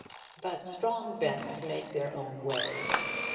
But strong bents make their own way.